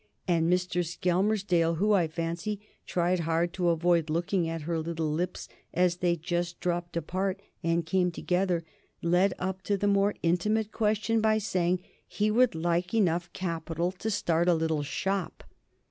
And Mr. Skelmersdale, who, I fancy, tried hard to avoid looking at her little lips as they just dropped apart and came together, led up to the more intimate question by saying he would like enough capital to start a little shop.